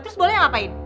terus boleh ngapain